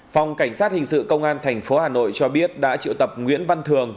phòng cảnh sát hình sự công an tp hà nội cho biết đã triệu tập nguyễn văn thường